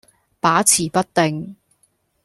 把持不定